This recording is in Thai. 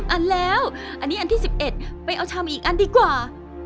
อันแล้วอันนี้อันที่๑๑ไปเอาชามอีกอันดีกว่า